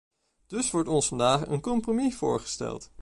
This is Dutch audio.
Dus wordt ons vandaag een compromis voorgesteld.